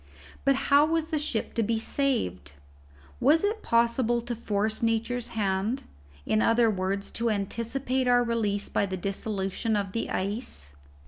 But how was the ship to be saved? Was it possible to force Nature's hand; in other words, to anticipate our release by the dissolution of the ice?